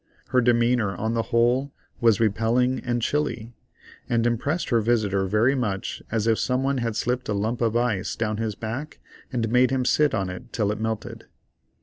Her demeanor, on the whole, was repelling and chilly, and impressed her visitor very much as if some one had slipped a lump of ice down his back and made him sit on it till it melted.